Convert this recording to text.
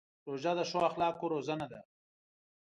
روژه د ښو اخلاقو روزنه ده.